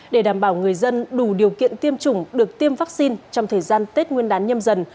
để đảm bảo người dân đủ điều kiện tiêm chủng được tiêm vaccine trong thời gian tết nguyên đán nhâm dần